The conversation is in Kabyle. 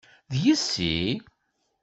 D yessi?